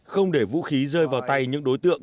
không để vũ khí rơi vào tay những đối tượng